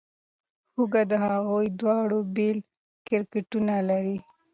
هوکې هغوی دواړه بېل کرکټرونه لري.